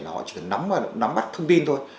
họ chỉ cần nắm bắt thông tin thôi